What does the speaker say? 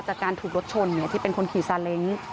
จากการถูกรถชนที่เป็นคนขี่ซาเล้ง